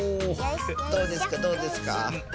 どうですかどうですか？